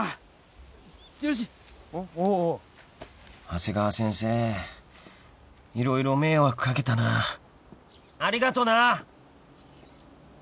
［長谷川先生色々迷惑かけたなありがとなぁ］